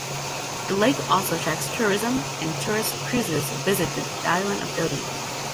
The lake also attracts tourism, and tourist cruises visit the island of Dodi.